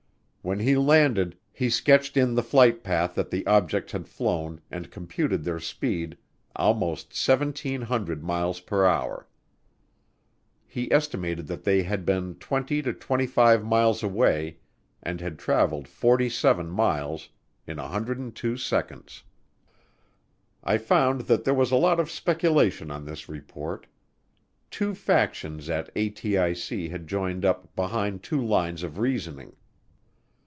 When he landed he sketched in the flight path that the objects had flown and computed their speed, almost 1,700 miles per hour. He estimated that they had been 20 to 25 miles away and had traveled 47 miles in 102 seconds. I found that there was a lot of speculation on this report. Two factions at ATIC had joined up behind two lines of reasoning.